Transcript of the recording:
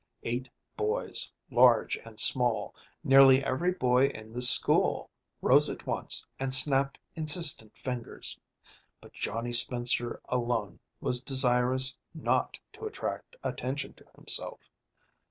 Eight boys, large and small, nearly every boy in the school, rose at once and snapped insistent fingers; but Johnny Spencer alone was desirous not to attract attention to himself.